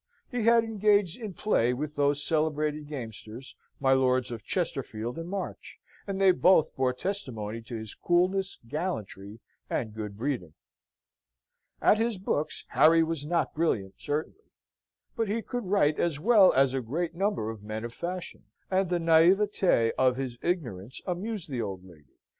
He had engaged in play with those celebrated gamesters, my Lords of Chesterfield and March; and they both bore testimony to his coolness, gallantry, and good breeding. At his books Harry was not brilliant certainly; but he could write as well as a great number of men of fashion; and the naivete of his ignorance amused the old lady.